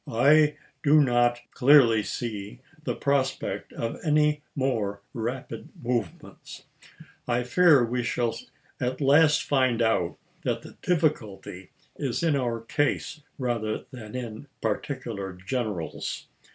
I do not clearly see the prospect of any more rapid movements. I fear we shall at last find out that the difficulty is in our case rather than in particular generals.